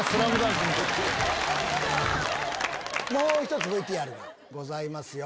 もう１つＶＴＲがございますよ